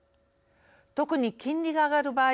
特に、金利が上がる場合